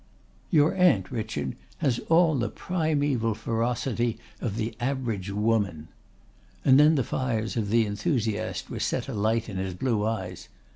"Your aunt, Richard, has all the primeval ferocity of the average woman." And then the fires of the enthusiast were set alight in his blue eyes.